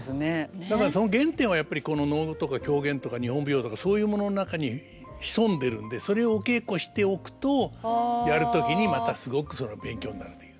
だからその原点はやっぱりこの能とか狂言とか日本舞踊とかそういうものの中に潜んでるんでそれお稽古しておくとやる時にまたすごく勉強になるという。